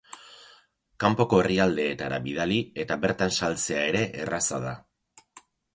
Kanpoko herrialdeetara bidali eta bertan saltzea ere erraza da.